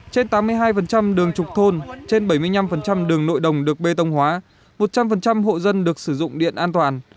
trên tám mươi hai đường trục thôn trên bảy mươi năm đường nội đồng được bê tông hóa một trăm linh hộ dân được sử dụng điện an toàn